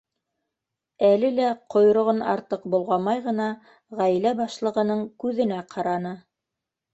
Әле лә ҡойроғон артыҡ болғамай ғына ғаилә башлығының күҙенә ҡараны.